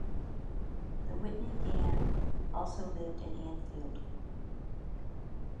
The Whitney gang also lived in Anfield.